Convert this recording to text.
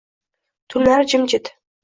Tunlar jimjit